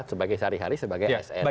sebagai sehari hari sebagai sn